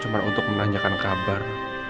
cuman untuk menanyakan kabar